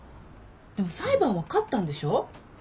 でも裁判は勝ったんでしょ？